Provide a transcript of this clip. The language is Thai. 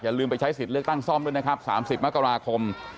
ลืมไปใช้สิทธิ์เลือกตั้งซ่อมด้วยนะครับ๓๐มกราคม